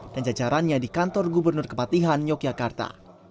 dan jajarannya di kantor gubernur kepatihan yogyakarta